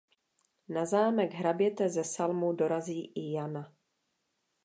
Na zámek hraběte ze Salmu dorazí i Jana.